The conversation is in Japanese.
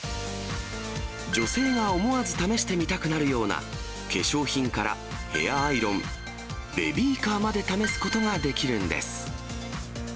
女性が思わず試してみたくなるような、化粧品からヘアアイロン、ベビーカーまで試すことができるんです。